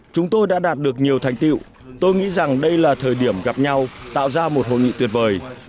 chúng tôi đã đạt được nhiều thành tiệu tôi nghĩ rằng đây là thời điểm gặp nhau tạo ra một hội nghị tuyệt vời